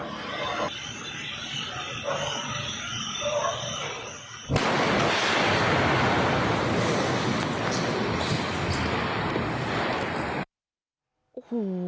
รัมเวลาอยู่สักปีเกินนะซึ่งอนอกคนอยู่อร่อยโอ้โห